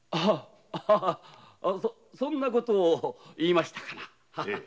イヤそんなこと言いましたかな？